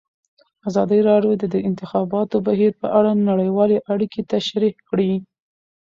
ازادي راډیو د د انتخاباتو بهیر په اړه نړیوالې اړیکې تشریح کړي.